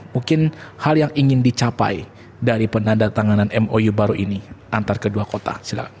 mungkin hal yang ingin dicapai dari penandatanganan mou baru ini antar kedua kota silahkan